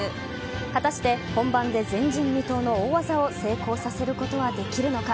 果たして、本番で前人未到の大技を成功させることはできるのか。